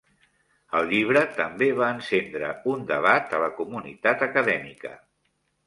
El llibre també va encendre un debat a la comunitat acadèmica.